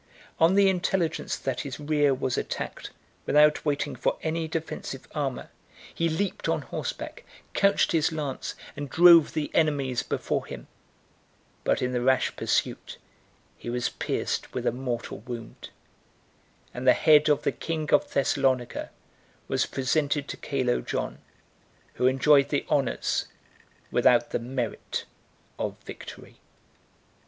On the intelligence that his rear was attacked, without waiting for any defensive armor, he leaped on horseback, couched his lance, and drove the enemies before him; but in the rash pursuit he was pierced with a mortal wound; and the head of the king of Thessalonica was presented to Calo John, who enjoyed the honors, without the merit, of victory.